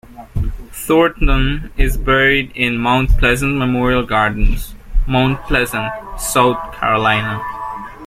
Thornton is buried in Mount Pleasant Memorial Gardens, Mount Pleasant, South Carolina.